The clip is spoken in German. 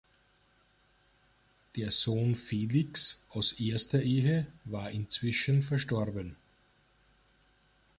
Der Sohn Felix aus erster Ehe war inzwischen verstorben.